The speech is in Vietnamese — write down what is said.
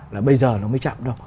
là bây giờ nó mới chậm đâu